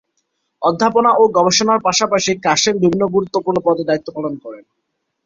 অধ্যাপনা ও গবেষণার পাশাপাশি কাসেম বিভিন্ন গুরুত্বপূর্ণ পদে দায়িত্ব পালন করেন।